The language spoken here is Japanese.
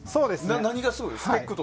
何がすごいですか？